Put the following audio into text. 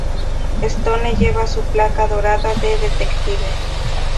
Stone lleva su placa dorada de detective.